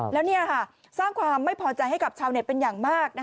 แล้วนี่ค่ะสร้างความไม่พอใจให้กับชาวเน็ตเป็นอย่างมาก